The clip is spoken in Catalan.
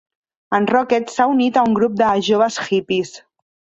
En Rocket s'ha unit a un grup de joves hippies.